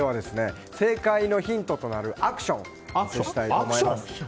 正解のヒントとなるアクションをお見せしたいと思います。